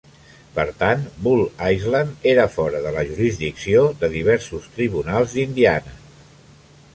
Per tant, Bull Island era fora de la jurisdicció de diversos tribunals d'Indiana.